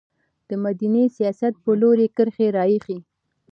د مدني سیاست په لوري کرښې راښيي.